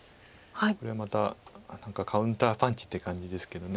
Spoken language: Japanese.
これまた何かカウンターパンチって感じですけど。